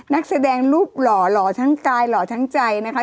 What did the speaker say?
นักแสดงรูปหล่อหล่อทั้งกายหล่อทั้งใจนะคะ